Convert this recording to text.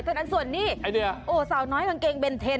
เท่านั้นส่วนนี้โหสาวน้อยกางเกงเป็นเทน